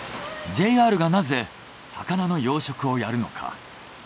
ＪＲがなぜ魚の養殖をやるのか？